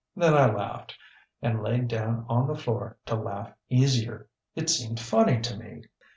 Then I laughed, and laid down on the floor to laugh easier. It seemed funny to me.